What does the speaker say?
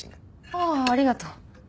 ああありがとう。